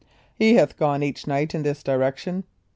"He hath gone each night in this direction?"